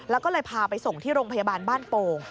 แล้วก็เลยพาไปส่งที่โรงพยาบาลบ้านโป่ง